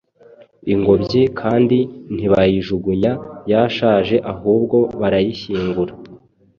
Ingobyi kandi ntibayijugunya yashaje ahubwo barayishyingura